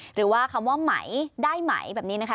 หรือว่าคำว่าไหมได้ไหมแบบนี้นะคะ